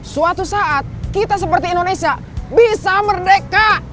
suatu saat kita seperti indonesia bisa merdeka